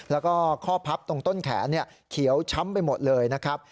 แล้วก็ข้อพับตรงต้นแขนเขียวช้ำไปหมดเลยนะครับ